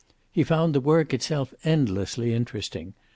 He found the work itself endlessly interesting.